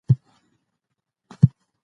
موږ باید د ژوند ټولنیز اړخونه هېر نه کړو.